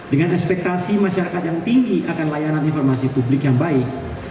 dengan ekspektasi masyarakat yang tinggi akan layanan informasi publik yang baik